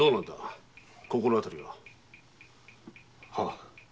心当たりは？